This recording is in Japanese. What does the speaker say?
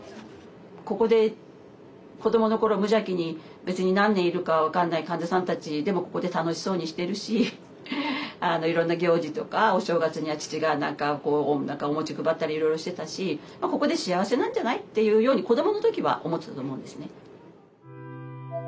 ここで子どもの頃無邪気に別に何年いるか分からない患者さんたちでもここで楽しそうにしてるしいろんな行事とかお正月には父が何かお餅配ったりいろいろしてたしここで幸せなんじゃない？っていうように子どもの時は思ってたと思うんですね。